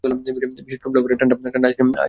বিচিত্র ফ্লেভারের ঠাণ্ডা ঠাণ্ডা আইসক্রিম খেতে আসুন।